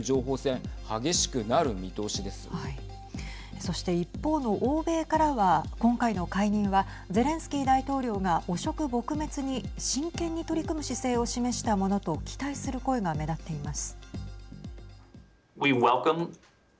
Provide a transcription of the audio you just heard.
そして一方の欧米からは今回の解任はゼレンスキー大統領が汚職撲滅に真剣に取り組む姿勢を示したものと期待する声が目立っています。